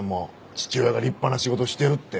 父親が立派な仕事してるって。